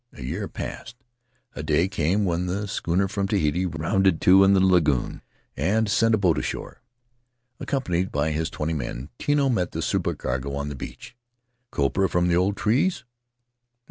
A year passed; a day came when the schooner from Tahiti rounded to in the lagoon and sent a boat [«48] In the Cook Group ashore. Accompanied by his twenty men, Tino met the supercargo on the beach. Copra from the old trees?